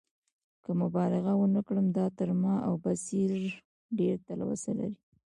که مبالغه ونه کړم، دا تر ما او بصیر ډېره تلوسه لري.